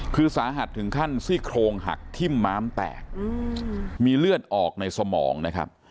คือสาหัสถึงขั้นซี่โครงหักทิ้มม้ามแตกมีเลือดออกในสมองนะครับ